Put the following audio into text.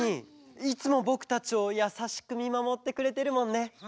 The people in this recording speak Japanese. いつもぼくたちをやさしくみまもってくれてるもんね。